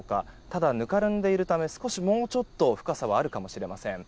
ただ、ぬかるんでいるためもうちょっと深さはあるかもしれません。